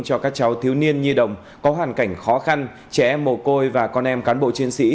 cho các cháu thiếu niên nhi đồng có hoàn cảnh khó khăn trẻ em mồ côi và con em cán bộ chiến sĩ